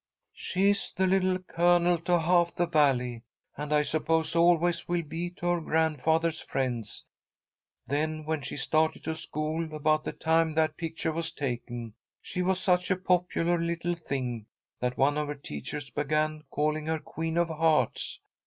"She is 'The Little Colonel' to half the Valley, and I suppose always will be to her grandfather's friends. Then when she started to school, about the time that picture was taken, she was such a popular little thing that one of her teachers began calling her Queen of Hearts.